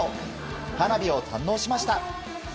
花火を堪能しました。